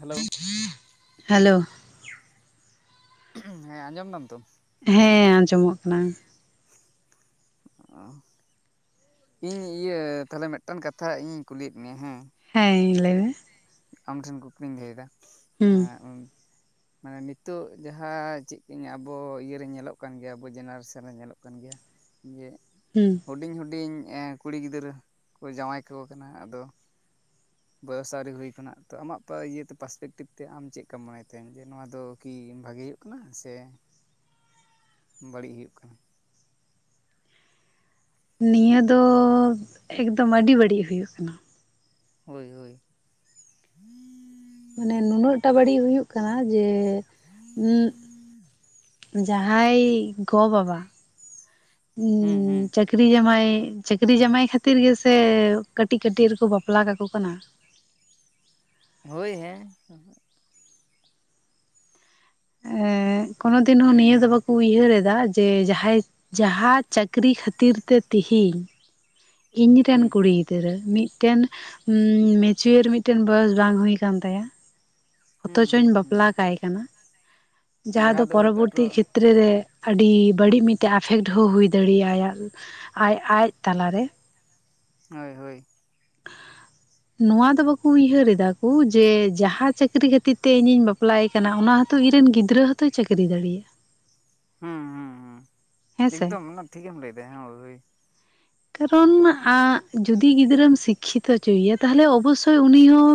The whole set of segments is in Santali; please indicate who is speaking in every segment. Speaker 1: ᱦᱮᱞᱳ,
Speaker 2: ᱦᱮᱞᱳ
Speaker 1: ᱦᱮᱸ ᱟᱸᱡᱚᱢ ᱫᱟᱢ ᱛᱚ?
Speaker 2: ᱦᱮᱸ, ᱟᱸᱡᱚᱢᱚᱜ ᱠᱟᱱᱟ᱾
Speaker 1: ᱚ ᱤᱧ ᱤᱭᱟᱹ ᱛᱟᱦᱚᱞᱮ ᱢᱤᱫᱴᱟᱝ ᱠᱟᱛᱷᱟ ᱤᱧ ᱠᱩᱞᱤᱭᱮᱫ ᱢᱮᱭᱟ ᱦᱮᱸ
Speaker 2: ᱦᱮᱸ, ᱞᱟᱹᱭ ᱢᱮ᱾
Speaker 1: ᱟᱢ ᱴᱷᱮᱱ ᱠᱩᱠᱞᱤᱧ ᱞᱟᱹᱭ ᱮᱫᱟ
Speaker 2: ᱦᱩᱸ
Speaker 1: ᱦᱮᱸ ᱢᱟᱱᱮ ᱱᱤᱛᱚᱜ ᱡᱟᱦᱟᱸ ᱪᱮᱫ ᱤᱧ ᱟᱵᱚ ᱤᱭᱟᱹ ᱨᱮ ᱧᱮᱞᱚᱜ ᱠᱟᱱ ᱜᱮᱭᱟ, ᱟᱵᱚ ᱡᱮᱱᱟᱨᱮᱥᱚᱱ ᱨᱮ ᱧᱮᱞᱚᱜ ᱠᱟᱱ ᱜᱮᱭᱟ᱾ ᱤᱭᱮ
Speaker 2: ᱦᱩᱸᱻ᱾
Speaker 1: ᱦᱩᱰᱤᱧ ᱦᱩᱰᱤᱧ ᱮᱸ ᱠᱩᱲᱤ ᱜᱤᱫᱽᱨᱟᱹ ᱠᱚ ᱡᱟᱶᱟᱭ ᱠᱚ ᱠᱟᱱᱟ᱾ ᱟᱫᱚ ᱵᱚᱭᱚᱥ ᱟᱹᱣᱨᱤ ᱦᱩᱭ ᱠᱟᱱᱟ ᱛᱚ᱾ ᱟᱢᱟᱜ ᱛᱚ, ᱤᱭᱟᱹᱛᱮ ᱯᱟᱥᱯᱮᱠᱴᱤᱵᱷ ᱛᱮ ᱟᱢ ᱪᱮᱫ ᱠᱟᱢ ᱢᱚᱱᱮᱭ ᱛᱟᱦᱮᱸᱱ ᱡᱮ ᱱᱚᱣᱟ ᱫᱚ ᱠᱤ ᱵᱷᱟᱹᱜᱮ ᱦᱩᱭᱩᱜ? ᱠᱟᱱᱟ ᱥᱮ ᱵᱟᱹᱲᱤᱡ ᱦᱩᱭᱩᱜ ᱠᱟᱱᱟ?
Speaker 2: ᱱᱤᱭᱟᱹ ᱫᱚ, ᱮᱠᱫᱚᱢ ᱟᱹᱰᱤ ᱵᱟᱹᱲᱤᱡ ᱦᱩᱭᱩᱜ ᱠᱟᱱᱟ᱾
Speaker 1: ᱦᱳᱭ, ᱦᱳᱭ᱾
Speaker 2: ᱢᱟᱱᱮ ᱱᱩᱱᱟᱹᱜ ᱴᱟᱜ ᱵᱟᱹᱲᱤᱡ ᱦᱩᱭᱩᱜ ᱠᱟᱱᱟ ᱡᱮ
Speaker 1: [inaudible]
Speaker 2: ᱦᱩᱸᱻ, ᱡᱟᱦᱟᱸᱭ ᱜᱚ- ᱵᱟᱵᱟ, ᱩᱸ
Speaker 1: ᱦᱩᱸ ᱦᱩᱸ
Speaker 2: ᱪᱟᱹᱠ ᱪᱟᱹᱠᱨᱤ ᱡᱟᱢᱟᱭ, ᱪᱟᱹᱠᱨᱤ ᱡᱟᱢᱟᱭ ᱠᱷᱟᱹᱛᱤᱨ ᱜᱮᱥᱮ ᱠᱟᱹᱴᱤᱡ ᱠᱟᱹᱴᱤᱡ ᱨᱮᱠᱚ ᱵᱟᱯᱞᱟ ᱠᱟᱠᱚ ᱠᱟᱱᱟ᱾
Speaker 1: ᱦᱳᱭ, ᱦᱮᱸ᱾
Speaker 2: ᱮᱸ ᱠᱚᱱᱚ ᱫᱤᱱ ᱦᱚᱸ ᱱᱤᱭᱟᱹ ᱫᱚ
Speaker 1: ᱦᱩᱸ
Speaker 2: ᱵᱟᱠᱚ ᱩᱭᱦᱟᱹᱨ ᱮᱫᱟ ᱡᱮ ᱡᱟᱦᱟᱸᱭ ᱡᱟᱦᱟᱸ ᱪᱟᱹᱠᱨᱤ ᱠᱷᱟᱹᱛᱤᱨ ᱛᱮ ᱛᱮᱦᱮᱧ ᱤᱧ ᱨᱮᱱ
Speaker 1: ᱦᱩᱸ
Speaker 2: ᱠᱩᱲᱤ ᱜᱤᱫᱽᱨᱟᱹ ᱢᱤᱫᱴᱮᱱ ᱢᱮᱸᱪᱩᱭᱟᱹᱨ ᱢᱤᱫᱴᱮᱱ ᱵᱚᱭᱚᱥ ᱵᱟᱝ ᱦᱩᱭ ᱠᱟᱱ ᱛᱟᱭᱟ᱾
Speaker 1: ᱦᱩᱸ ᱦᱩᱸ
Speaker 2: ᱚᱛᱚ-ᱪᱚᱧ
Speaker 1: ᱦᱩᱸ
Speaker 2: ᱵᱟᱯᱞᱟ ᱠᱟᱭ ᱠᱟᱱᱟ, ᱡᱟᱦᱟᱸ ᱫᱚ ᱯᱚᱨᱚᱵᱚᱨᱛᱤ ᱠᱷᱮᱛ ᱨᱮ ᱠᱷᱮᱛᱨᱮ ᱟᱹᱰᱤ ᱵᱟᱹᱲᱤᱡ ᱢᱤᱫᱴᱮᱡ ᱟᱯᱷᱮᱠᱚᱰ ᱦᱚᱸ ᱦᱩᱭ ᱫᱟᱲᱮᱭᱟ᱾ ᱟᱡ ᱟᱡ ᱛᱟᱞᱟ ᱨᱮ᱾
Speaker 1: ᱦᱳᱭ, ᱦᱳᱭ᱾ [inaudible]
Speaker 2: ᱱᱚᱣᱟ ᱫᱚ ᱵᱟᱠᱩ ᱩᱭᱦᱟᱹᱨ ᱮᱫᱟ ᱠᱩ ᱡᱮ ᱡᱟᱦᱟᱸ ᱪᱟᱹᱠᱨᱤ ᱠᱷᱟᱹᱛᱤᱨ ᱛᱮ ᱤᱧᱤᱧ ᱵᱟᱯ ᱵᱟᱯᱞᱟᱭᱮ ᱠᱟᱱᱟ, ᱚᱱᱟ ᱦᱚᱸᱛᱚ ᱤᱧ ᱨᱮᱱ ᱜᱤᱫᱽᱨᱟᱹ ᱦᱚᱸ ᱛᱚᱭ ᱪᱟᱹᱠᱨᱤ ᱫᱟᱲᱤᱭᱟᱜ᱾
Speaker 1: ᱦᱩᱸ ᱦᱩᱸ ᱦᱩᱸ,
Speaker 2: ᱦᱮᱸ ᱥᱮ
Speaker 1: ᱮᱠᱫᱚᱢ ᱚᱱᱟ ᱴᱷᱤᱠᱮᱢ ᱞᱟᱹᱭ ᱮᱫᱟ, ᱦᱳᱭ
Speaker 2: ᱠᱟᱨᱚᱱ ᱟᱸᱜ ᱡᱩᱫᱤ ᱜᱤᱫᱽᱨᱟᱹ ᱥᱤᱠ ᱥᱤᱠᱠᱷᱤᱛᱚ ᱦᱚᱪᱩᱭᱮᱭᱟ, ᱛᱟᱦᱚᱞᱮ ᱚᱵᱚᱥᱥᱳᱭ ᱩᱱᱤ ᱦᱚᱸ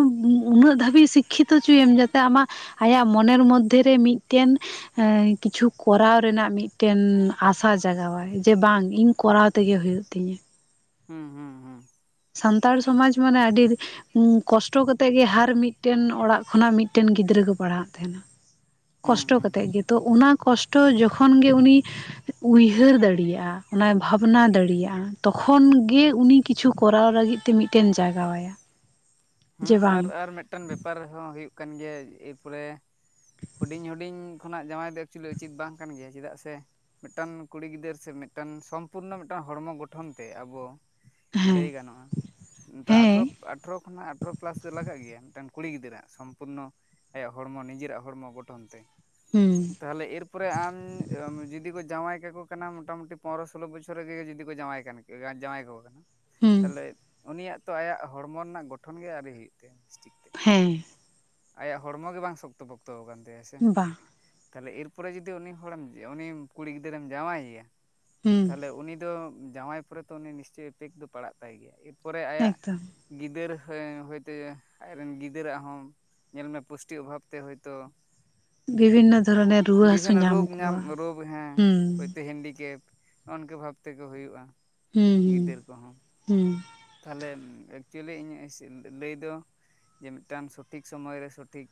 Speaker 2: ᱩᱱᱟᱹᱜ ᱫᱷᱟᱹᱵᱤᱡ ᱥᱤᱠᱠᱷᱤᱛᱚ ᱦᱚᱪᱩᱭᱮᱢ, ᱡᱟᱛᱮ ᱟᱢᱟᱜ ᱟᱭᱟᱜ ᱢᱚᱱᱮᱨ ᱢᱚᱫᱽᱫᱷᱮ ᱨᱮ ᱢᱤᱫᱴᱮᱱ ᱮᱸ ᱠᱤᱪᱷᱩ ᱠᱚᱨᱟᱣ ᱨᱮᱱᱟᱜ ᱢᱤᱫᱴᱮᱱ ᱟᱥᱟ ᱡᱟᱜᱟᱣ ᱟᱭ ᱡᱮ ᱵᱟᱝ ᱤᱧ ᱠᱚᱨᱟᱣ ᱜᱮᱧ ᱛᱮᱜᱮ ᱦᱩᱭᱩᱜ ᱛᱤᱧᱟᱹ᱾
Speaker 1: ᱦᱩᱸ, ᱦᱩᱸ, ᱦᱩᱸ᱾
Speaker 2: ᱥᱟᱱᱛᱟᱲ ᱥᱚᱢᱟᱡᱽ ᱢᱟᱹᱱᱮ ᱟᱹᱰᱤ ᱦᱩᱸ ᱠᱚᱥᱴᱚ ᱠᱟᱛᱮᱜ ᱜᱮ ᱦᱟᱨ ᱢᱤᱫᱴᱮᱱ ᱚᱲᱟᱜ ᱠᱷᱚᱱᱟᱜ ᱢᱤᱫᱴᱮᱱ ᱜᱤᱫᱽᱨᱟᱹ ᱠᱚ ᱯᱟᱲᱦᱟᱜ ᱛᱟᱦᱮᱸᱱᱟ᱾
Speaker 1: ᱦᱩᱸ
Speaker 2: ᱠᱚᱥᱴᱚ
Speaker 1: ᱦᱩᱸ
Speaker 2: ᱠᱟᱛᱮᱫ ᱜᱮ, ᱛᱚ ᱚᱱᱟ ᱠᱚᱥᱴᱚ ᱡᱚᱠᱷᱚᱱ ᱜᱮ ᱩᱱᱤ ᱩᱭᱦᱟᱹᱨ ᱫᱟᱲᱤᱭᱟᱜᱼᱟ, ᱚᱱᱟᱭ ᱵᱷᱟᱵᱽᱱᱟ ᱫᱟᱲᱤᱭᱟᱜᱼᱟ᱾ ᱛᱚᱠᱷᱚᱱ ᱜᱮ ᱩᱱᱤ ᱠᱤᱪᱷᱩ ᱠᱚᱨᱟᱣ ᱞᱟᱹᱜᱤᱫ ᱛᱮ ᱢᱤᱫᱴᱮᱱ ᱡᱟᱜᱟᱣ ᱟᱭᱟ᱾
Speaker 1: ᱦᱩᱸ ᱟᱨ ᱟᱨ ᱢᱤᱫᱴᱮᱱ ᱵᱮᱯᱟᱨ ᱦᱚᱸ ᱦᱩᱭᱩᱜ ᱠᱟᱱ ᱜᱮᱭᱟ᱾ ᱮᱨᱯᱚᱨᱮ ᱦᱩᱰᱤᱧ ᱦᱩᱰᱤᱧ ᱠᱷᱚᱱᱟᱜ ᱡᱟᱶᱟᱭ ᱫᱚ ᱮᱠᱪᱩᱮᱞᱤ ᱩᱪᱤᱛ ᱵᱟᱝ ᱠᱟᱱ ᱜᱮᱭᱟ ᱪᱮᱫᱟᱜ ᱥᱮ ᱢᱤᱫᱴᱟᱱ ᱠᱩᱲᱤ ᱜᱤᱫᱟᱹᱨ ᱥᱮ ᱢᱤᱫᱴᱟᱱ ᱥᱚᱢᱯᱩᱨᱱᱚ ᱢᱤᱫᱴᱟᱱ ᱦᱚᱲᱢᱚ ᱜᱚᱴᱷᱚᱱ ᱛᱮ ᱟᱵᱚ
Speaker 2: ᱦᱮᱸ
Speaker 1: ᱞᱟᱹᱭ ᱜᱟᱱᱚᱜ-ᱟ, ᱛᱚ
Speaker 2: ᱦᱮᱸ
Speaker 1: ᱟᱴᱷᱨᱚᱯ ᱟᱴᱷᱨᱚ ᱠᱷᱚᱱᱟᱜ ᱟᱴᱷᱨᱚ ᱯᱮᱞᱟᱥ ᱫᱚ ᱞᱟᱜᱟᱜ ᱜᱮᱭᱟ ᱢᱤᱫᱴᱟᱝ ᱠᱩᱲᱤ ᱜᱤᱫᱽᱨᱟᱹ ᱟᱜ ᱥᱚᱢᱯᱩᱨᱱᱚ ᱟᱭᱟᱜ ᱦᱚᱲᱢᱚ ᱱᱤᱡᱮᱨᱟᱜ ᱦᱚᱲᱢᱚ ᱜᱚᱴᱷᱚᱱ ᱛᱮ ᱾
Speaker 2: ᱦᱩᱸ᱾
Speaker 1: ᱛᱟᱦᱚᱞᱮ ᱮᱨᱯᱚᱨᱮ ᱟᱢ ᱡᱩᱫᱤ ᱠᱚ ᱡᱟᱶᱟᱭ ᱠᱟᱠᱚ ᱠᱟᱱᱟ ᱢᱚᱴᱟᱢᱩᱴᱤ ᱯᱚᱱᱮᱨᱳ ᱥᱳᱞᱳ ᱵᱚᱪᱷᱚᱨ ᱨᱮᱜᱮ ᱡᱩᱫᱤ ᱠᱚ ᱡᱟᱶᱟᱭ ᱠᱟᱱᱟ ᱾ [inaudible] ᱡᱟᱶᱟᱭ ᱠᱟᱠᱚ ᱠᱟᱱᱟ᱾
Speaker 2: ᱦᱩᱸ
Speaker 1: ᱛᱟᱦᱚᱞᱮ ᱩᱱᱤᱭᱟᱜ ᱛᱚ ᱟᱭᱟᱜ ᱦᱚᱲᱢᱚ ᱨᱮᱱᱟᱜ ᱜᱚᱴᱷᱚᱱ ᱜᱮ ᱟᱣᱨᱤ ᱦᱩᱭᱩᱜ ᱛᱟᱭᱟ ᱵᱮᱥᱴᱤᱠ ᱛᱮ ᱾
Speaker 2: ᱦᱮᱸ᱾
Speaker 1: ᱟᱭᱟᱜ ᱦᱚᱲᱢᱚ ᱜᱮ ᱵᱟᱝ ᱥᱚᱠᱛᱚ ᱯᱚᱠᱛᱚ ᱠᱟᱱᱟᱱ ᱛᱟᱭᱟ ᱥᱮ ᱾
Speaker 2: ᱵᱟᱝ ᱾
Speaker 1: ᱛᱟᱦᱚᱞᱮ ᱮᱨᱯᱚᱨᱮ ᱡᱩᱫᱤ ᱩᱱᱤ ᱦᱚᱲᱮᱢ ᱩᱱᱤ ᱠᱩᱲᱤ ᱜᱤᱫᱽᱨᱟᱹᱢ ᱡᱟᱶᱟᱭ ᱮᱭᱟ
Speaker 2: ᱦᱩᱸ
Speaker 1: ᱛᱟᱦᱞᱮ ᱩᱱᱤ ᱫᱚ ᱡᱟᱶᱟᱭ ᱯᱚᱨᱮ ᱛᱚ ᱩᱱᱤ ᱱᱤᱥᱪᱳᱭ ᱤᱯᱮᱠᱴ ᱫᱚ ᱯᱟᱲᱟᱜ ᱛᱟᱭ ᱜᱮᱭᱟ ᱮᱨᱯᱚᱨᱮ ᱟᱭᱟᱜ
Speaker 2: ᱮᱠᱫᱚᱢ
Speaker 1: ᱜᱤᱫᱟᱹᱨ ᱦᱚᱭᱛᱮ ᱟᱡᱨᱮᱱ ᱜᱤᱫᱟᱹᱨᱟᱜ ᱦᱚᱸ ᱧᱮᱞᱢᱮ ᱯᱩᱥᱴᱤ ᱚᱵᱷᱟᱵᱛᱮ ᱦᱚᱭᱛ ᱛᱚ
Speaker 2: ᱵᱤᱵᱷᱤᱱᱱᱚ ᱫᱷᱚᱨᱚᱱᱮᱨ ᱨᱩᱣᱟᱹ ᱦᱟᱹᱥᱩ
Speaker 1: ᱵᱤᱵᱷᱤᱱᱚ ᱨᱳᱜᱽ
Speaker 2: ᱠᱚᱣᱟ
Speaker 1: ᱧᱟᱢ ᱨᱳᱜᱽ ᱦᱮᱸ
Speaker 2: ᱦᱩᱸ
Speaker 1: ᱦᱚᱭᱛᱳ ᱦᱮᱱᱰᱤᱠᱮᱯ ᱾ ᱱᱚᱝᱠᱟ ᱵᱷᱟᱵ ᱛᱮᱠᱚ ᱦᱩᱭᱩᱜ-ᱟ ᱾
Speaker 2: ᱦᱩᱸ
Speaker 1: ᱜᱤᱫᱟᱹᱨ ᱠᱚᱦᱚᱸ
Speaker 2: ᱦᱩᱸ
Speaker 1: ᱛᱟᱦᱞᱮ ᱮᱠᱪᱩᱭᱮᱞᱤ ᱤᱧᱟᱹᱜ ᱞᱟᱹᱭ ᱫᱚ ᱡᱮ ᱢᱤᱫᱴᱟᱝ ᱥᱚᱴᱷᱤᱠ ᱥᱚᱢᱳᱚᱭ ᱨᱮ ᱥᱚᱴᱷᱤᱠ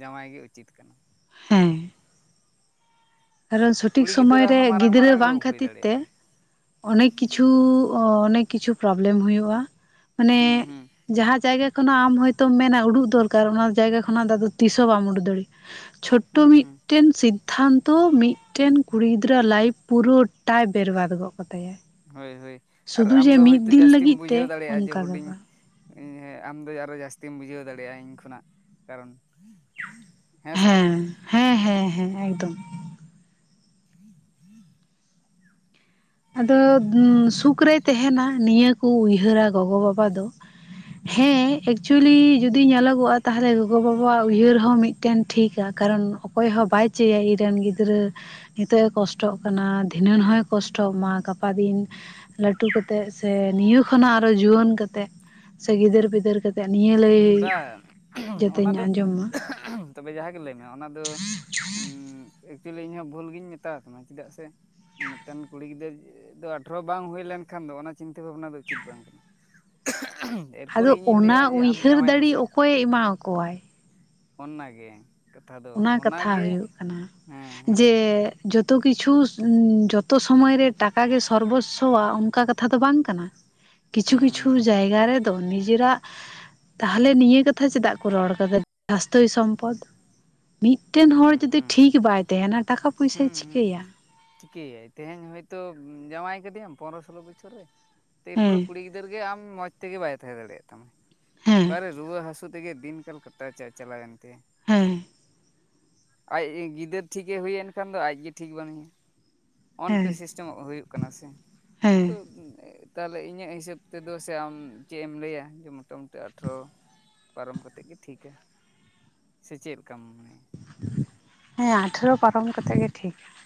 Speaker 1: ᱡᱟᱶᱟᱭ ᱜᱮ ᱩᱪᱤᱛ ᱠᱟᱱᱟ ᱾
Speaker 2: ᱦᱮᱸ ᱠᱟᱨᱚᱱ ᱥᱚᱴᱷᱤᱠ
Speaker 1: ᱠᱩᱲᱤ
Speaker 2: ᱥᱳᱚᱢᱳᱭ
Speaker 1: ᱜᱤᱫᱽᱨᱟᱹᱣᱟᱜ
Speaker 2: ᱨᱮ
Speaker 1: ᱦᱚᱸ ᱢᱟᱨᱟᱝ
Speaker 2: ᱜᱤᱫᱽᱨᱟᱹ
Speaker 1: ᱢᱟᱨᱟᱝ ᱨᱳᱜᱽ
Speaker 2: ᱵᱟᱝ
Speaker 1: ᱦᱩᱭ
Speaker 2: ᱠᱷᱟᱹᱛᱤᱨ ᱛᱮ
Speaker 1: ᱫᱟᱲᱮᱭᱟᱜᱼᱟ
Speaker 2: ᱚᱱᱮᱠ ᱠᱤᱪᱷᱩ ᱚᱱᱮᱠ ᱠᱤᱪᱷᱩ ᱯᱨᱚᱵᱞᱮᱢ ᱦᱩᱭᱩᱜ-ᱟ
Speaker 1: ᱦᱩᱸ
Speaker 2: ᱢᱟᱱᱮ
Speaker 1: ᱦᱩᱸ
Speaker 2: ᱡᱟᱦᱟᱸ ᱡᱟᱭᱜᱟ ᱠᱷᱚᱱᱟᱜ ᱟᱢ ᱦᱚᱳᱭᱛᱚᱢ ᱢᱮᱱᱟ ᱩᱰᱩᱠ ᱫᱚᱨᱠᱟᱨ ᱚᱱᱟ ᱡᱟᱭᱜᱟ ᱠᱷᱚᱱᱟᱜ ᱟᱫᱚ ᱛᱤᱥ ᱦᱚᱸ ᱵᱟᱢ ᱩᱰᱩᱠ ᱫᱟᱲᱮᱭᱟᱜ-ᱟ᱾ ᱪᱷᱳᱴᱳ
Speaker 1: ᱦᱩᱸ ᱦᱩᱸ
Speaker 2: ᱢᱤᱫᱴᱮᱱ ᱥᱤᱫ ᱫᱷᱟᱱᱛᱚ ᱢᱤᱫᱴᱮᱱ ᱠᱩᱲᱤ ᱜᱤᱫᱽᱨᱟᱹ ᱞᱟᱭᱤᱯᱷ ᱯᱩᱨᱟᱹᱴᱟᱭ ᱵᱮᱨᱵᱟᱫ ᱜᱚᱫ ᱠᱟᱛᱟᱭᱟ ᱾
Speaker 1: ᱦᱳᱭ ᱦᱳᱭ ᱟᱨ ᱟᱢ ᱫᱚ ᱦᱳᱭᱛᱳ ᱡᱟᱹᱥᱛᱤᱢ
Speaker 2: ᱞᱟᱹᱜᱤᱫ ᱛᱮ
Speaker 1: ᱵᱩᱡᱷᱟᱹᱣ ᱫᱟᱲᱮᱭᱟᱜ-ᱟ ᱡᱮ
Speaker 2: ᱚᱱᱠᱟ ᱫᱚ
Speaker 1: ᱦᱩᱰᱤᱧ
Speaker 2: ᱵᱟᱝ
Speaker 1: ᱤ ᱦᱮᱸ ᱟᱢᱫᱚ ᱟᱨᱚ ᱡᱟᱹᱥᱛᱤᱢ ᱵᱩᱡᱷᱟᱹᱣ ᱫᱟᱲᱮᱭᱟᱜ-ᱟ ᱤᱧ ᱠᱷᱚᱱᱟᱜ ᱾ ᱠᱟᱨᱚᱱ ᱦᱮᱸ ᱥᱮ ᱵᱟᱝ?
Speaker 2: ᱦᱮᱸ ᱦᱮᱸ ᱦᱮᱸ ᱮᱠᱫᱚᱢ ᱾
Speaker 1: [unintelligible]
Speaker 2: ᱟᱫᱚ ᱥᱩᱠ ᱨᱮ ᱛᱟᱦᱮᱱᱟ ᱱᱤᱭᱟᱹᱠᱩ ᱩᱭᱦᱟᱹᱨᱟ ᱜᱚᱜᱚ ᱵᱟᱵᱟ ᱫᱚ ᱾ ᱦᱮᱸ ᱮᱠᱪᱩᱭᱮᱞᱤ ᱡᱩᱫᱤ ᱧᱮᱞᱚᱜᱚᱜ-ᱟ ᱛᱟᱦᱞᱮ ᱜᱚᱜᱚ ᱵᱟᱵᱟᱣᱟᱜ ᱩᱭᱦᱟᱹᱨ ᱦᱚᱸ ᱢᱤᱫ ᱢᱤᱫᱴᱮᱱ ᱴᱷᱤᱠᱟ ᱠᱟᱨᱚᱱ ᱚᱠᱚᱭ ᱦᱚᱸ ᱵᱟᱭ ᱪᱟᱹᱭᱟ ᱤᱧᱨᱮ ᱨᱮᱱ ᱜᱤᱫᱽᱨᱟᱹ ᱱᱤᱛᱚᱜ ᱮ ᱠᱚᱥᱴᱚᱜ ᱠᱟᱱᱟ ᱫᱷᱤᱱᱟᱹᱱ ᱦᱚᱭ ᱠᱚᱥᱴᱚ ᱠᱚᱥᱴᱚᱜ ᱢᱟ ᱜᱟᱯᱟ ᱫᱤᱱ ᱞᱟᱹᱴᱩ ᱠᱟᱛᱮᱜ ᱥᱮ ᱱᱤᱭᱟᱹ ᱠᱷᱚᱱᱟᱜ ᱟᱨᱚ ᱡᱩᱣᱟᱹᱱ ᱠᱟᱛᱮᱫ ᱾ ᱥᱮ ᱜᱤᱫᱟᱹᱨ ᱯᱤᱫᱟᱹᱨ ᱠᱟᱛᱮ ᱾ [unintelligible]
Speaker 1: ᱵᱟᱝ ᱚᱱᱟ ᱫᱚ
Speaker 2: ᱢᱟ
Speaker 1: ᱛᱚᱵᱮ ᱡᱟᱦᱟᱸ ᱜᱮ ᱞᱟᱹᱭ ᱢᱮ ᱚᱱᱟ ᱫᱚ ᱮᱠᱪᱩᱭᱮᱞᱤ ᱤᱧᱦᱚᱸ ᱵᱷᱩᱞ ᱜᱤᱧ ᱢᱮᱛᱟᱣᱟ ᱛᱟᱢᱟ ᱪᱮᱫᱟᱜ ᱥᱮ ᱢᱤᱫᱴᱟᱝ ᱠᱩᱲᱤ ᱜᱤᱫᱽᱨᱟᱹ ᱫᱚ ᱟᱴᱷᱨᱚ ᱵᱟᱝ ᱦᱩᱭ ᱞᱮᱱᱠᱷᱟᱱ ᱫᱚ ᱚᱱᱟ ᱪᱤᱱᱛᱟᱹ ᱵᱷᱟᱵᱱᱟ ᱫᱚ ᱩᱪᱤᱛ ᱵᱟᱝ ᱠᱟᱱᱟ ᱾ ᱮᱨᱯᱚᱨᱮ
Speaker 2: ᱟᱫᱚ
Speaker 1: ᱤᱧᱤᱧ ᱞᱟᱹᱭᱟ
Speaker 2: ᱚᱱᱟ
Speaker 1: ᱡᱮ ᱟᱢ
Speaker 2: [inaudible]
Speaker 1: ᱡᱟᱶᱟᱭᱮᱢ
Speaker 2: ᱫᱟᱲᱮ
Speaker 1: ᱥᱮ
Speaker 2: ᱚᱠᱚᱭᱮ ᱮᱢᱟᱣᱟ ᱠᱚᱣᱟᱭ ᱾
Speaker 1: ᱚᱱᱟᱜᱮ ᱾
Speaker 2: ᱚᱱᱟ ᱠᱟᱛᱷᱟ ᱦᱩᱭᱩᱜ ᱠᱟᱱᱟ
Speaker 1: ᱦᱮᱸ ᱦᱮᱸ
Speaker 2: ᱡᱮ ᱡᱚᱛᱚ ᱠᱤᱪᱷᱩ ᱡᱚᱛᱚ ᱥᱚᱢᱚᱭᱨᱮ ᱴᱟᱠᱟ ᱜᱮ ᱥᱚᱨᱵᱚᱥᱥᱚ-ᱟ ᱚᱱᱠᱟ ᱠᱟᱛᱷᱟ ᱫᱚ ᱵᱟᱝ ᱠᱟᱱᱟ ᱾ ᱠᱤᱪᱷᱩ
Speaker 1: ᱦᱩᱸ
Speaker 2: ᱠᱤᱪᱷᱩ
Speaker 1: ᱦᱩᱸ
Speaker 2: ᱡᱟᱭᱜᱟ ᱨᱮ ᱛᱚ ᱱᱤᱡᱮᱨᱟᱜ ᱛᱟᱦᱚᱞᱮ ᱱᱤᱭᱟᱹ ᱠᱟᱛᱷᱟ ᱪᱮᱫᱟᱜ ᱠᱚ ᱨᱚᱲ ᱟᱠᱟᱫᱟ ᱥᱟᱥᱛᱷᱚᱭ ᱥᱚᱢᱯᱚᱫ ᱾ ᱢᱤᱫᱴᱮᱱ
Speaker 1: ᱦᱩᱸ
Speaker 2: ᱦᱚᱲ ᱡᱩᱫᱤ
Speaker 1: ᱦᱩᱸ
Speaker 2: ᱴᱷᱤᱠ
Speaker 1: ᱦᱩᱸ
Speaker 2: ᱵᱟᱭ ᱛᱟᱦᱮᱱᱟ ᱴᱟᱠᱟ ᱯᱚᱭᱥᱟᱭ
Speaker 1: ᱦᱩᱸ ᱦᱩᱸ
Speaker 2: ᱪᱤᱠᱟᱹᱭᱟ?
Speaker 1: ᱪᱤᱠᱟᱹᱭᱟᱭ ᱛᱮᱦᱮᱧ ᱦᱚᱭᱛᱚ ᱡᱟᱶᱟᱭ ᱟᱠᱟᱫᱮᱭᱟᱢ ᱯᱚᱱᱨᱚ ᱥᱳᱞᱳ ᱵᱚᱪᱷᱚᱨ ᱨᱮ ᱮᱨᱯᱚᱨᱮ
Speaker 2: ᱦᱮᱸ
Speaker 1: ᱠᱩᱲᱤ ᱜᱤᱫᱽᱨᱟᱹ ᱜᱤᱫᱟᱹᱨ ᱜᱮ ᱟᱢ ᱢᱚᱸᱡᱽ ᱛᱮᱜᱮ ᱵᱟᱭ ᱛᱟᱦᱮᱸ ᱫᱟᱲᱮᱭᱟᱜ ᱛᱟᱢᱟ
Speaker 2: ᱦᱮᱸ
Speaker 1: ᱚᱠᱟᱨᱮ ᱨᱩᱣᱟᱹ ᱦᱟᱹᱥᱩ ᱛᱮᱜᱮ ᱫᱤᱱ ᱠᱟᱞ ᱠᱟᱴᱟᱣ ᱪᱟᱞᱟᱣᱮᱱ ᱛᱟᱭᱟ
Speaker 2: ᱦᱮᱸ
Speaker 1: ᱟᱡ ᱜᱤᱫᱟᱹᱨ ᱴᱷᱤᱠᱮ ᱦᱩᱭᱮᱱ ᱠᱷᱟᱱ ᱫᱚ ᱟᱡᱜᱮ ᱴᱷᱤᱠ ᱵᱟᱱᱩᱭᱟ ᱱᱚᱜ
Speaker 2: ᱦᱮᱸ
Speaker 1: ᱱᱚᱠᱟ ᱪᱚᱝᱚᱜ ᱦᱩᱭᱩᱜ ᱠᱟᱱᱟ ᱥᱮ
Speaker 2: ᱦᱮᱸ
Speaker 1: [inaudible] ᱛᱟᱦᱚᱞᱮ ᱤᱧᱟᱹᱜ ᱦᱤᱥᱟᱹᱵ ᱛᱮᱫᱚ ᱥᱮ ᱟᱢ ᱪᱮᱫ ᱮᱢ ᱞᱟᱹᱭᱟ ᱡᱮ ᱢᱚᱴᱟ ᱢᱩᱩᱴᱤ ᱟᱴᱷᱨᱚ ᱯᱟᱨᱚᱢ ᱠᱟᱛᱮᱫ ᱜᱤ ᱴᱷᱤᱠᱟ ᱥᱮ ᱪᱮᱫᱠᱟᱢ ᱢᱚᱱᱮᱭᱟ?
Speaker 2: ᱦᱮᱸ ᱟᱴᱷᱮᱨᱚ ᱯᱟᱨᱚᱢ ᱠᱟᱛᱮᱫ ᱜᱮ ᱴᱷᱤᱠᱟ ᱾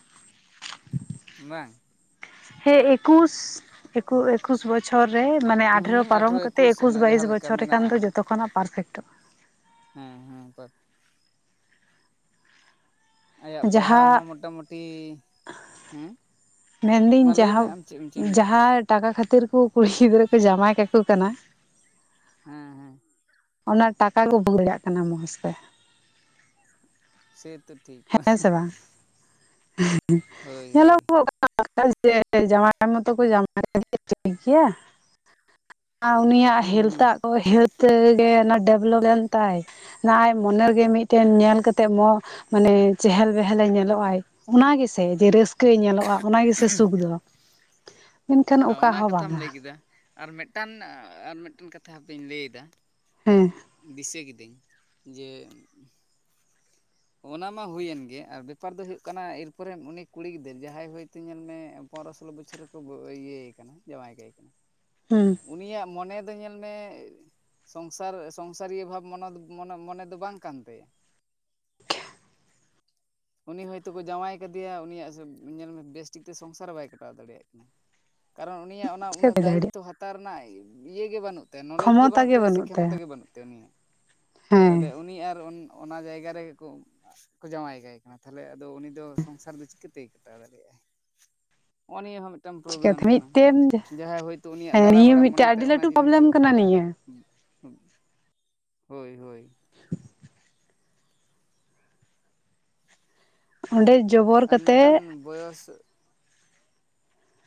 Speaker 1: ᱵᱟᱝ,
Speaker 2: ᱦᱮᱸ ᱮᱠᱩᱥ ᱮᱠᱩ ᱮᱠᱩᱥ ᱵᱚᱪᱷᱚᱨ ᱨᱮ ᱢᱟᱱᱮ ᱟᱴᱷᱮᱨᱚ
Speaker 1: ᱦᱩᱸ ᱟᱴᱷᱨᱚ
Speaker 2: ᱯᱟᱨᱚᱢ ᱠᱟᱛᱮ ᱮᱠᱩᱥ
Speaker 1: ᱚᱱᱟ ᱡᱟᱦᱟᱸ
Speaker 2: ᱵᱟᱭᱤᱥ
Speaker 1: ᱞᱮᱠᱟ
Speaker 2: ᱵᱚᱪᱷᱚᱨ ᱨᱮᱠᱷᱟᱱ
Speaker 1: ᱢᱮᱱᱟᱜᱼᱟ
Speaker 2: ᱫᱚ ᱡᱚᱛᱚ ᱠᱷᱚᱱᱟᱜ ᱯᱟᱨᱯᱷᱮᱴᱚᱜ-ᱟ᱾
Speaker 1: ᱦᱮᱸ ᱦᱮᱸ ᱯᱟᱴ ᱟᱭᱟᱜ ᱯᱟᱲᱦᱟᱣ
Speaker 2: ᱡᱟᱦᱟᱸ
Speaker 1: ᱦᱚᱸ ᱢᱚᱴᱟᱢᱩᱴᱤ ᱦᱮᱸ
Speaker 2: ᱢᱮᱱᱫᱟᱹᱧ
Speaker 1: ᱢᱟ ᱞᱟᱹᱭ ᱢᱮ
Speaker 2: ᱡᱟᱦᱟᱸ
Speaker 1: ᱟᱢ ᱪᱮᱫ ᱮᱢ ᱪᱮᱫ ᱮᱢ ᱞᱟᱹᱭᱮᱫ ᱛᱟᱦᱮᱸᱫ
Speaker 2: ᱡᱟᱦᱟᱸ ᱴᱟᱠᱟ ᱠᱷᱟᱹᱛᱤᱨ ᱠᱚ ᱠᱩᱲᱤ ᱜᱤᱫᱽᱨᱟᱹᱠᱚ ᱡᱟᱢᱟᱭ ᱠᱟᱠᱚ ᱠᱟᱱᱟ᱾
Speaker 1: ᱦᱮᱸ ᱦᱮᱸ,
Speaker 2: ᱚᱱᱟ ᱴᱟᱠᱟ ᱠᱚ ᱵᱩᱡᱟᱜ ᱠᱟᱱᱟ ᱠᱚ ᱢᱚᱸᱡᱽ ᱛᱮ,
Speaker 1: ᱥᱮ [inaudible]
Speaker 2: ᱦᱮᱸ ᱥᱮ ᱵᱟᱝ
Speaker 1: ᱦᱳᱭ ᱦᱳᱭ
Speaker 2: ᱧᱮᱞᱚᱜ [inaudible] ᱟᱨ ᱩᱱᱤᱭᱟᱜ
Speaker 1: ᱦᱩᱸ ᱦᱩᱸ
Speaker 2: ᱦᱮᱞᱛᱷᱟᱜ ᱠᱚ ᱦᱮᱞᱛᱮ ᱜᱮ ᱚᱱᱟ ᱰᱮᱵᱷᱞᱚᱯ ᱞᱮᱱ ᱛᱟᱭ ᱱ [inaudible] ᱢᱚᱱᱮᱜᱮ ᱢᱤᱫᱴᱟᱹᱱ ᱧᱮᱞ ᱠᱟᱛᱮᱜ [inaudible] ᱢᱟᱱᱮ ᱪᱮᱦᱮᱞ ᱵᱮᱦᱮᱞ ᱮ ᱧᱮᱞᱚᱜ ᱟᱭ ᱚᱱᱟ ᱜᱮᱥᱮ ᱡᱮ ᱨᱟᱹᱥ [inaudible] ᱧᱚᱞᱳᱜ-ᱟᱭ ᱚᱱᱟ ᱜᱮᱥᱮ ᱥᱩᱠ ᱫᱚ ᱢᱮᱱᱠᱷᱟᱱ ᱚᱠᱟ
Speaker 1: ᱚᱱᱟ
Speaker 2: ᱦᱚᱸ ᱵᱟᱝᱟ᱾
Speaker 1: [unintelligible] ᱟᱨ ᱢᱤᱫᱴᱟᱱ ᱟᱨ ᱢᱤᱫᱴᱟᱹᱱ ᱠᱟᱛᱷᱟ ᱦᱟᱯᱮᱧ ᱞᱟᱹᱭ ᱮᱫᱟ
Speaker 2: ᱦᱮᱸ,
Speaker 1: ᱫᱤᱥᱟᱹ ᱠᱤᱫᱟᱹᱧ ᱡᱮ ᱚᱱᱟ ᱢᱟ ᱦᱩᱭᱮᱱ ᱜᱮ ᱟᱨ ᱵᱮᱯᱟᱨ ᱫᱚ ᱦᱩᱭᱩᱜ ᱠᱟᱱᱟ ᱮᱨᱯᱚᱨᱮ ᱩᱱᱤ ᱠᱩᱲᱤ ᱜᱤᱫᱟᱹᱨ ᱡᱟᱦᱟᱸᱭ ᱦᱚᱭᱛᱳ ᱧᱮᱞ ᱢᱮ ᱯᱚᱱᱨᱚ ᱥᱳᱞᱳ ᱵᱚᱪᱷᱚᱨ ᱨᱮᱠᱚ ᱤᱭᱟᱹᱭ ᱠᱟᱱᱟ ᱡᱟᱶᱟᱭᱠᱟᱭ ᱠᱟᱱᱟ,
Speaker 2: ᱦᱩᱸ,
Speaker 1: ᱩᱱᱤᱭᱟᱜ ᱢᱚᱱᱮ ᱫᱚ ᱧᱮᱞ ᱢᱮ ᱥᱚᱝᱥᱟᱨ ᱥᱚᱝᱥᱟᱨᱤᱭᱟᱹ ᱵᱷᱟᱵᱽ ᱢᱚᱱᱮ ᱫᱚ ᱵᱟᱝ ᱠᱟᱱᱛᱟᱭᱟ᱾
Speaker 2: [unintelligible]
Speaker 1: ᱩᱱᱤ ᱦᱚᱭᱛᱳ ᱠᱚ ᱡᱟᱶᱟᱭ ᱠᱮᱫᱮᱭᱟ ᱩᱱᱤᱭᱟᱜ ᱧᱮᱞᱢᱮ ᱢᱮ ᱵᱮᱥᱴᱷᱤᱠᱛᱮ ᱥᱚᱝᱥᱟᱨ ᱵᱟᱭ ᱠᱟᱴᱟᱣ ᱫᱟᱲᱮᱭᱟᱜ ᱠᱟᱱᱟ᱾ ᱠᱟᱨᱚᱱ ᱩᱱᱤᱭᱟᱜ ᱚᱱᱟ ᱩᱱᱟᱹᱜ
Speaker 2: ᱪᱤᱠᱟᱹᱛᱮ
Speaker 1: ᱫᱟᱭᱤᱛ
Speaker 2: ᱫᱟᱲᱮᱭᱟᱜᱼᱟ
Speaker 1: ᱛᱚ ᱦᱟᱛᱟᱣ ᱨᱮᱱᱟᱜ ᱤᱭᱟᱹ ᱜᱮ ᱵᱟᱹᱱᱩᱜ ᱱᱚᱞᱮᱡᱽ ᱜᱮ ᱵᱟᱹᱱᱩᱜ ᱛᱟᱭᱟ ᱥᱮ ᱠᱷᱚᱢᱚᱛᱟ ᱜᱮ ᱵᱟᱹᱱᱩᱜ ᱛᱟᱭᱟ ᱩᱱᱤᱭᱟᱜ
Speaker 2: ᱦᱮᱸ
Speaker 1: ᱛᱟᱦᱚᱞᱮ ᱩᱱᱤ ᱟᱨ ᱚᱱᱟ ᱡᱟᱭᱜᱟ ᱨᱮ ᱠᱚ ᱡᱟᱶᱟᱭ ᱠᱟᱭ ᱠᱟᱱᱟ ᱛᱟᱦᱚᱞᱮ ᱟᱫᱚ ᱩᱱᱤ ᱫᱚ ᱥᱚᱝᱥᱟᱨ ᱫᱚ ᱪᱤᱠᱟᱹᱛᱮᱭ ᱠᱟᱴᱟᱣ ᱫᱟᱲᱮᱭᱟᱜ-ᱟ᱾ ᱚ ᱱᱤᱭᱮ ᱦᱚᱸ ᱢᱤᱫ ᱴᱟᱝ ᱯᱨᱚᱵᱞᱮᱢ
Speaker 2: ᱪᱤᱠᱟᱹᱛᱮ
Speaker 1: ᱠᱟᱱᱟ
Speaker 2: ᱢᱤᱫᱴᱮᱱ
Speaker 1: ᱡᱟᱦᱟᱸᱭ ᱦᱚᱭᱛᱳ ᱩᱱᱤᱭᱟᱜ
Speaker 2: ᱦᱮᱸ
Speaker 1: ᱫᱟᱬᱟ
Speaker 2: ᱱᱤᱭᱟᱹ
Speaker 1: ᱵᱟᱲᱟ ᱢᱚᱱᱮ
Speaker 2: ᱢᱤᱫᱴᱮᱱ
Speaker 1: ᱛᱟᱭ
Speaker 2: ᱟᱹᱰᱤ
Speaker 1: ᱚᱱᱟ
Speaker 2: ᱞᱟᱹᱴᱩ
Speaker 1: ᱡᱤᱱᱤᱥ ᱫᱚ
Speaker 2: ᱯᱨᱚᱵᱞᱮᱢ ᱠᱟᱱᱟ ᱱᱤᱭᱟᱹ
Speaker 1: ᱦᱳᱭ ᱦᱳᱭ᱾
Speaker 2: ᱚᱸᱰᱮ ᱡᱚᱵᱚᱨ
Speaker 1: ᱟᱨ
Speaker 2: ᱠᱟᱛᱜ
Speaker 1: ᱢᱤᱫᱴᱟᱝ ᱵᱚᱭᱚᱥ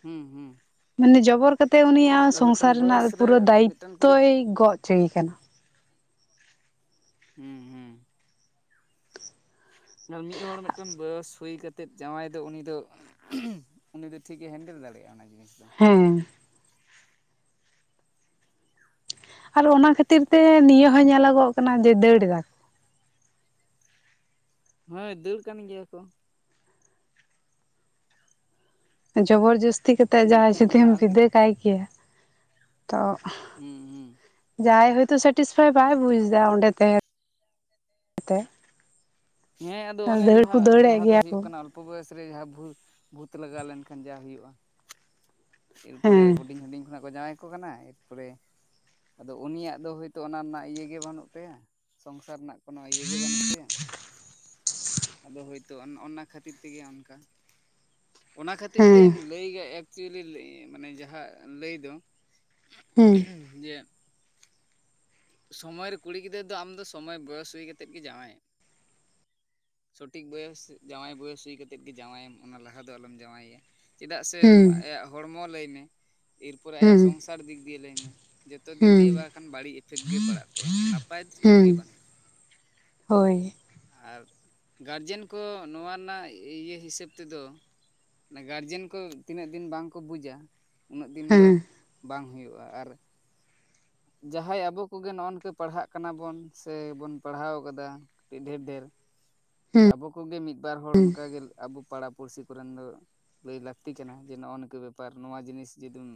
Speaker 1: ᱦᱩᱸ ᱦᱩᱸ᱾
Speaker 2: ᱢᱟᱱᱮ ᱡᱚᱵᱚᱨ ᱠᱟᱛᱮᱜ ᱩᱱᱤᱭᱟᱜ
Speaker 1: ᱟᱨ
Speaker 2: ᱥᱚᱝᱥᱟᱨ
Speaker 1: ᱢᱤᱫᱴᱟᱝ
Speaker 2: ᱨᱮᱱᱟᱜ
Speaker 1: ᱵᱚᱭᱚᱥ
Speaker 2: ᱯᱩᱨᱟᱹ
Speaker 1: ᱨᱮ ᱢᱤᱫᱴᱟᱝ ᱠᱩᱲᱤ
Speaker 2: ᱫᱟᱭᱤᱛᱛᱚᱭ ᱜᱚᱜᱪᱚᱭᱮ ᱠᱟᱱᱟ᱾
Speaker 1: ᱦᱩᱸ ᱦᱩᱸ᱾ ᱚᱱᱟ ᱢᱤᱫ ᱦᱚᱲ ᱢᱤᱫᱴᱟᱹᱝ ᱵᱚᱭᱚᱥ ᱦᱩᱭ ᱠᱟᱛᱮᱫ ᱡᱟᱶᱟᱭ ᱫᱚ ᱩᱱᱤ ᱫᱚ ᱩᱱᱤ ᱫᱚ ᱴᱷᱤᱠᱮ ᱦᱮᱱᱰᱮᱞ ᱫᱟᱲᱮᱭᱟᱜᱼᱟ ᱚᱱᱟ ᱡᱤᱱᱤᱥ ᱫᱚ᱾
Speaker 2: ᱦᱩᱸ᱾ ᱟᱨ ᱚᱱᱟ ᱠᱷᱟᱹᱛᱤᱨ ᱛᱮ ᱱᱤᱭᱟᱹ ᱦᱚᱸ ᱧᱮᱞᱚᱜᱚᱜ ᱠᱟᱱᱟ ᱡᱮ ᱫᱟᱹᱲ ᱫᱟ᱾
Speaker 1: ᱦᱳᱭ ᱫᱟᱹᱲ ᱠᱟᱱ ᱜᱮᱭᱟ ᱠᱚ᱾
Speaker 2: ᱡᱚᱵᱚᱨ ᱡᱚᱥ ᱛᱤ ᱠᱟᱛᱮ ᱡᱟᱣᱟᱭ
Speaker 1: ᱢᱤᱫᱴᱷᱮᱱ
Speaker 2: ᱡᱩᱫᱤᱢ
Speaker 1: ᱠᱷᱚᱱᱟᱜ ᱟᱨ ᱢᱤᱫ
Speaker 2: ᱵᱤᱫᱟᱹᱭ ᱠᱟᱭ ᱠᱮᱭᱟ ᱛᱚ
Speaker 1: ᱦᱩᱸ ᱦᱩᱸ
Speaker 2: ᱡᱟᱣᱟᱭ ᱦᱚᱳᱭᱛᱳ ᱥᱟᱴᱤᱥᱯᱷᱟᱭ ᱵᱟᱭ ᱵᱩᱡ ᱮᱫᱟ ᱚᱰᱮᱸ ᱛᱟᱸᱦᱮ ᱛᱮ᱾
Speaker 1: ᱦᱮᱸ ᱟᱫᱚ ᱚᱱᱮ ᱡᱟᱦᱟᱸᱭ ᱡᱟᱦᱟᱸ ᱫᱚ ᱦᱩᱭᱩᱜ
Speaker 2: ᱠᱚ
Speaker 1: ᱠᱟᱱᱟ ᱚᱞᱯᱚ ᱵᱚᱭᱚᱥ ᱨᱮ ᱡᱟᱦᱟᱸ ᱵᱷᱩ ᱵᱷᱩᱛ ᱞᱟᱜᱟᱣ ᱞᱮᱱᱠᱷᱟᱱ ᱡᱟ ᱦᱩᱭᱩᱜᱼᱟ᱾
Speaker 2: ᱦᱮᱸ
Speaker 1: ᱮᱨᱯᱚᱨᱮ ᱦᱩᱰᱤᱧ ᱦᱩᱰᱤᱧ ᱠᱷᱚᱱᱟᱜ ᱠᱚ ᱡᱟᱶᱟᱭ ᱠᱟᱠᱚ ᱠᱟᱱᱟ, ᱮᱨᱯᱚᱨᱮ ᱟᱫᱚ ᱩᱱᱤᱭᱟᱜ ᱫᱚ ᱦᱳᱭᱛᱳ ᱚᱱᱟ ᱨᱮᱱᱟᱜ ᱤᱭᱟᱹ ᱜᱮ ᱵᱟᱹᱱᱩᱜ ᱛᱟᱭᱟ ᱥᱚᱝᱥᱟᱨ ᱨᱮᱱᱟᱜ ᱠᱳᱱᱳ ᱤᱭ ᱜᱮ ᱵᱟᱹᱱᱩᱜ ᱛᱟᱭᱟ᱾ ᱟᱫᱚ ᱦᱳᱭᱛᱳ ᱚᱱ ᱚᱱᱟ ᱠᱷᱟᱹᱛᱤᱨ ᱛᱮᱜᱮ ᱚᱱᱠᱟ᱾ ᱚᱱᱟ ᱠᱷᱟᱹᱛᱤᱨ
Speaker 2: ᱦᱮᱸ
Speaker 1: ᱛᱮᱢ ᱞᱟᱹᱭ ᱜᱮ ᱟ ᱮᱠᱪᱩᱭᱮᱞᱤ ᱢᱟᱱᱮ ᱡᱟᱦᱟᱸ ᱞᱟᱹᱭ ᱫᱚ,
Speaker 2: ᱦᱩᱸ᱾
Speaker 1: ᱦᱩᱸ ᱡᱮ ᱥᱚᱢᱚᱭ ᱨᱮ ᱠᱩᱲᱤ ᱜᱤᱫᱽᱨᱟᱹ ᱫᱚ ᱟᱢᱫᱚ ᱥᱚᱢᱚᱭ ᱵᱚᱭᱚᱥ ᱦᱩᱭ ᱠᱟᱛᱮᱫ ᱜᱮ ᱡᱟᱶᱟᱭᱮᱢ᱾ ᱥᱚᱴᱷᱤᱠ ᱵᱚᱭᱚᱥ ᱡᱟᱶᱟᱭ ᱵᱚᱭᱚᱥ ᱦᱩᱭ ᱠᱟᱛᱮᱫ ᱜᱮ ᱡᱟᱶᱟᱭᱮᱢ ᱚᱱᱟ ᱞᱟᱦᱟ ᱫᱚ ᱟᱞᱚᱢ ᱡᱟᱶᱟᱭᱮᱭᱟ᱾ ᱪᱮᱫᱟᱜ ᱥᱮ
Speaker 2: ᱦᱮᱸ
Speaker 1: ᱟᱭᱟᱜ ᱦᱚᱲᱢᱚ ᱞᱟᱹᱭ ᱢᱮ, ᱮᱨ ᱯᱚᱨᱮ ᱟᱭᱟᱜ
Speaker 2: ᱦᱮᱸ
Speaker 1: ᱥᱚᱝᱥᱟᱨ ᱫᱤᱠ ᱫᱤᱭᱮ ᱞᱟᱹᱭᱢᱮ, ᱡᱚᱛᱚ ᱫᱤᱠ
Speaker 2: ᱦᱮᱸ
Speaker 1: ᱫᱤᱭᱮ ᱵᱟᱠᱷᱟᱱ ᱵᱟᱹᱲᱤᱡ ᱮ ᱤᱯᱷᱮᱠᱴ ᱜᱮ ᱯᱟᱲᱟᱜ ᱛᱟᱭᱟ, ᱱᱟᱯᱟᱭ ᱫᱚ ᱪᱮᱫ
Speaker 2: ᱦᱮᱸ
Speaker 1: ᱜᱮ ᱵᱟᱹᱱᱩᱜᱼᱟ ᱾
Speaker 2: ᱦᱳᱭ᱾
Speaker 1: ᱟᱨ ᱜᱟᱨᱡᱮᱱ ᱠᱚ ᱱᱚᱣᱟ ᱨᱮᱱᱟᱜ ᱤᱭᱟᱹ ᱦᱤᱥᱟᱹᱵ ᱛᱮᱫᱚ ᱚᱱᱟ ᱜᱟᱨᱡᱮᱱ ᱠᱚ ᱛᱤᱱᱟᱹᱜ ᱫᱤᱱ ᱵᱟᱝ ᱠᱚ ᱵᱩᱡᱟ ᱩᱱᱟᱹᱜ ᱫᱤᱱ
Speaker 2: ᱦᱮᱸ
Speaker 1: ᱫᱚ ᱵᱟᱝ ᱦᱩᱭᱩᱜᱼᱟ, ᱟᱨ ᱡᱟᱦᱟᱸᱭ ᱟᱵᱚ ᱠᱚᱜᱮ ᱱᱚᱜ ᱱᱤᱝᱠᱟ ᱯᱟᱲᱦᱟᱜ ᱠᱟᱱᱟᱵᱚᱱ ᱥᱮᱵᱩᱱ ᱯᱟᱲᱦᱟᱣ ᱠᱟᱫᱟ, ᱠᱟᱹᱴᱤᱡ ᱰᱷᱮᱨ ᱰᱷᱮᱨ
Speaker 2: ᱦᱮᱸ
Speaker 1: ᱟᱵᱚ ᱠᱚᱜᱮ ᱢᱤᱫ ᱵᱟᱨ ᱦᱚᱲ ᱚᱱᱠᱟᱜᱮ ᱟᱵᱩ ᱯᱟᱲᱟ ᱯᱩᱲᱥᱤ ᱠᱚᱨᱮᱱ ᱫᱚ ᱞᱟᱹᱭ ᱞᱟᱹᱠᱛᱤ ᱠᱟᱱᱟ, ᱡᱮ ᱱᱚᱜᱼᱚ ᱱᱤᱝ ᱵᱮᱯᱟᱨ ᱱᱚᱣᱟ ᱡᱤᱱᱤᱥ ᱡᱩᱫᱤᱢ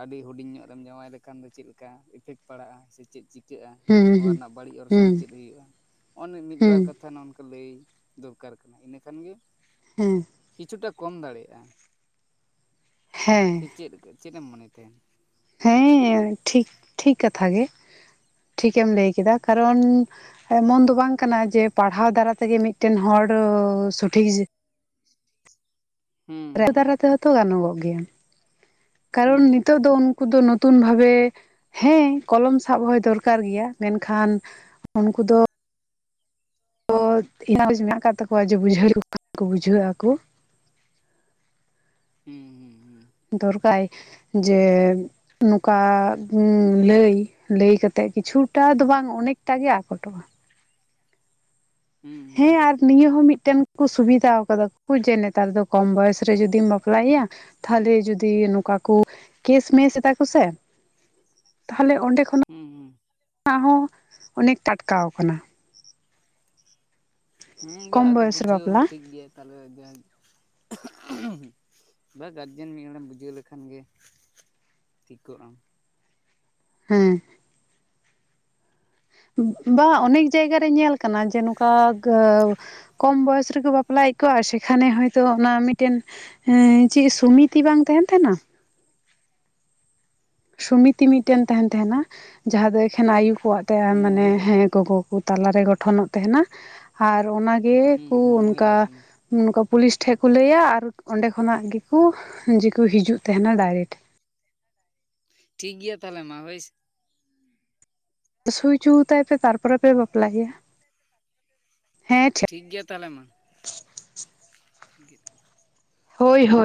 Speaker 1: ᱟᱹᱰᱤ ᱦᱩᱰᱤᱧ ᱧᱚᱜ ᱮᱢ ᱡᱟᱶᱟᱭ ᱞᱮᱠᱷᱟᱱ ᱫᱚ ᱪᱮᱫ ᱞᱮᱠᱟ ᱤᱯᱷᱮᱠᱴ ᱯᱟᱲᱟᱜᱼᱟ ᱥᱮ ᱪᱮᱫ ᱪᱤ ᱪᱟᱹᱜᱼᱟ
Speaker 2: ᱦᱮᱸ
Speaker 1: ᱱᱚᱣᱟ
Speaker 2: ᱦᱮᱸ
Speaker 1: ᱨᱮᱱᱟᱜ ᱵᱟᱹᱲᱤᱡ ᱚᱨᱥᱚᱝ
Speaker 2: ᱦᱮᱸ
Speaker 1: ᱪᱮᱫ ᱦᱩᱭᱩᱜᱼᱟ, ᱱᱚᱜ
Speaker 2: ᱦᱮᱸ
Speaker 1: ᱢᱤᱫᱵᱟᱨ ᱠᱟᱛᱷᱟ ᱱᱚ ᱱᱚᱝᱠᱟ ᱞᱟᱹᱭ ᱫᱚᱨᱠᱟᱨ ᱠᱟᱱᱟ ᱤᱱᱟᱹ ᱠᱷᱟᱱ ᱜᱮ
Speaker 2: ᱦᱮᱸ᱾
Speaker 1: ᱠᱤᱪᱷᱩᱴᱟ ᱠᱚᱢ ᱫᱟᱲᱮᱭᱟᱜᱼᱟ
Speaker 2: ᱦᱮᱸ
Speaker 1: ᱥᱮ ᱪᱮᱫ ᱪᱮᱫ ᱮᱢ ᱢᱚᱱᱮᱭ ᱛᱟᱦᱮᱸᱱ?
Speaker 2: ᱦᱮᱸ ᱴᱷᱤᱠ ᱴᱷᱤᱠ ᱠᱟᱛᱷᱟᱜ ᱜᱮ ᱴᱷᱤᱠᱮᱢ ᱞᱟᱹᱭ ᱠᱮᱫᱟ, ᱠᱟᱨᱚᱱ ᱮᱢᱚᱱ ᱫᱚ ᱵᱟᱝ ᱠᱟᱱᱟ ᱡᱮ ᱯᱟᱲᱦᱟᱣ ᱫᱟᱨᱟᱭ ᱛᱮᱜᱮ ᱢᱤᱫᱴᱮᱱ ᱦᱚᱲ ᱥᱚᱴᱷᱤᱠ
Speaker 1: ᱦᱩᱸ
Speaker 2: [unintelligible]
Speaker 1: ᱦᱩᱸ
Speaker 2: ᱫᱟᱨᱟ ᱛᱮᱦᱚᱸᱛᱚ ᱜᱟᱱᱚᱜᱚᱜ ᱜᱮᱭᱟ?
Speaker 1: ᱦᱩᱸ
Speaker 2: ᱠᱟᱨᱚᱱ ᱱᱤᱛᱚᱜ ᱫᱚ ᱩᱱᱠᱩ ᱫᱚ ᱧᱩᱛᱩᱢ ᱵᱷᱟᱵᱮ ᱦᱮᱸ ᱠᱚᱞᱚᱢ ᱥᱟᱵ ᱦᱚᱭ ᱫᱚᱨᱠᱟᱨ ᱜᱮᱭᱟ, ᱢᱮᱱᱠᱷᱟᱱ ᱩᱱᱠᱩ ᱫᱚ ᱛᱚ [inaudible] ᱢᱮᱱᱟᱜ ᱠᱟᱫ ᱛᱟᱠᱚᱣᱟ ᱡᱮ ᱵᱩᱡᱷᱟᱹᱣ [inaudible] ᱵᱩᱡᱷᱟᱹᱜ ᱟᱠᱚ᱾
Speaker 1: ᱦᱩᱸ᱾ ᱦᱩᱸ
Speaker 2: ᱫᱚᱨᱠᱟᱭ ᱡᱮ ᱱᱚᱝᱠᱟ ᱞᱟᱹᱭ ᱞᱟᱹᱭ ᱠᱟ ᱛᱮ ᱠᱤᱪᱷᱩ ᱴᱟ ᱫᱚ ᱵᱟᱝ ᱚᱱᱮᱠᱴᱟ ᱜᱮ ᱟᱠᱚᱴᱚᱜᱼᱟ ᱾
Speaker 1: ᱦᱩᱸ ᱦᱩᱸ
Speaker 2: ᱦᱮᱸ
Speaker 1: ᱦᱩᱸ
Speaker 2: ᱟᱨ ᱱᱤᱭᱟᱹ ᱦᱚᱸ ᱢᱤᱫᱴᱮᱱ ᱠᱚ ᱥᱩᱵᱤᱫᱟᱣ ᱠᱟᱫᱟᱣ ᱠᱚ ᱡᱮ ᱱᱮᱛᱟᱨ ᱫᱚ ᱠᱚᱢ ᱵᱚᱭᱮᱥ ᱨᱮ ᱡᱩᱫᱤᱢ ᱵᱟᱯᱞᱟᱭᱭᱟ ᱛᱟᱦᱚᱞᱮ ᱡᱚᱫᱤ ᱱᱚᱝᱠᱟ ᱠᱚ ᱠᱮᱥᱢᱮᱥ ᱮᱫᱟ ᱠᱚ ᱥᱮ, ᱛᱟᱦᱚᱞᱮ ᱚᱸᱰᱮ ᱠᱷᱚᱱ
Speaker 1: ᱦᱩᱸ ᱦᱩᱸ᱾
Speaker 2: ᱱᱟ ᱦᱚᱸ ᱚᱱᱮᱠ ᱴᱟᱴᱠᱟᱣ ᱠᱟᱱᱟ ᱾
Speaker 1: ᱦᱮᱸ [unintelligible]
Speaker 2: ᱠᱚᱢ
Speaker 1: ᱟᱫᱚ
Speaker 2: ᱵᱚᱭᱚᱥ ᱨᱮ
Speaker 1: ᱵᱩᱡᱷᱟᱹᱣ ᱦᱚᱸ
Speaker 2: ᱵᱟᱯᱞᱟ
Speaker 1: ᱴᱷᱤᱠ ᱜᱮᱭᱟ ᱛᱟᱦᱚᱞᱮ ᱵᱟ ᱜᱟᱨᱡᱮᱱ ᱢᱤᱫ ᱦᱚᱲᱮᱢ ᱵᱩᱡᱷᱟᱹᱣ ᱞᱮᱠᱷᱟᱱ ᱜᱮ, ᱴᱷᱤᱠᱚᱜᱼᱟ᱾
Speaker 2: ᱦᱮᱸ᱾ ᱵᱟᱝ ᱚᱱᱮᱠ ᱡᱟᱭᱜᱟ ᱨᱮ ᱧᱮᱞ ᱠᱟᱱᱟ ᱡᱮ ᱱᱚᱝᱠᱟ ᱠᱚᱢ ᱵᱚᱭᱚᱥ ᱨᱮᱠᱚ ᱵᱟᱯᱞᱟᱭᱮᱫ ᱠᱚᱣᱟ ᱟᱨ ᱥᱮᱠᱷᱟᱱᱮ ᱦᱚᱭᱛᱚ ᱚᱱᱟ ᱢᱤᱫᱴᱮᱱ ᱮᱸ ᱪᱮᱫ ᱥᱩᱢᱤ ᱛᱤ ᱵᱟᱝ ᱛᱟᱦᱮᱸᱱ ᱛᱟᱦᱮᱸᱱᱟ, ᱥᱚᱢᱤᱛᱤ ᱢᱤᱫᱴᱮᱱ ᱛᱟᱦᱮᱸᱱ ᱛᱟᱦᱮᱸᱱᱟ, ᱡᱟᱦᱟᱸ ᱫᱚ ᱮᱠᱷᱮᱱ ᱟᱭᱩ ᱠᱚᱣᱟᱜ ᱛᱟᱭᱟ ᱢᱟᱱᱮ
Speaker 1: ᱢᱚᱦᱤᱞᱟ
Speaker 2: ᱦᱮᱸ ᱜᱚᱜᱚ ᱠᱚ ᱛᱟᱞᱟᱨᱮ ᱜᱚᱴᱷᱚᱱᱚᱜ ᱛᱟᱦᱮᱸᱱᱟ, ᱟᱨ ᱚᱱᱟᱜ
Speaker 1: ᱦᱩᱸ
Speaker 2: ᱠᱩ
Speaker 1: ᱦᱩᱸ
Speaker 2: ᱚᱱᱠᱟ
Speaker 1: ᱢᱚᱦᱤᱞᱟ ᱥᱚᱢᱤᱛ
Speaker 2: ᱱᱚᱝᱠᱟ ᱯᱩᱞᱤᱥ ᱴᱷᱮᱡ ᱠᱩ ᱞᱟᱹᱭᱟ ᱟᱨ ᱚᱸᱰᱮ ᱠᱷᱚᱱᱟᱜ ᱜᱮᱠᱚ ᱡᱮᱠᱩ ᱦᱤᱡᱩᱜ ᱛᱟᱦᱮᱸᱱᱟ ᱰᱟᱭᱨᱮᱠᱴ᱾
Speaker 1: ᱴᱷᱤᱠ ᱜᱮᱭᱟ ᱛᱟᱦᱚᱞᱮ ᱢᱟ ᱦᱳᱭ ᱥᱮ
Speaker 2: ᱥᱩᱭ ᱦᱩᱪᱩ ᱛᱟᱭ ᱯᱮ ᱛᱟᱨᱯᱚᱨᱮ ᱯᱮ ᱵᱟᱯᱞᱟᱭᱮᱭᱟ, ᱦᱮᱸ ᱴᱷᱤ
Speaker 1: ᱴᱷᱤᱠ ᱜᱮᱭᱟ ᱛᱟᱦᱚᱞᱮ ᱢᱟ ᱾
Speaker 2: ᱦᱳᱭ ᱦᱳᱭ᱾